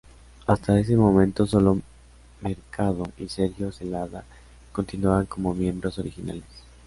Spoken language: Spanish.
Hasta ese momento sólo Mercado y Sergio Celada continuaban como miembros originales.